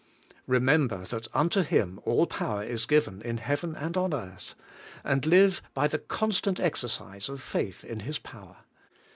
Eemember that unto Him all power is given in heaven and on earth, and live iy the constant exercise of faith in His power.